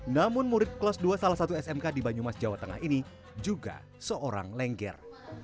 namun murid kelas dua salah satu smk di banyumas jawa tengah ini juga seorang lengger